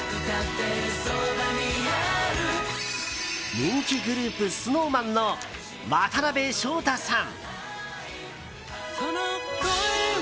人気グループＳｎｏｗＭａｎの渡辺翔太さん。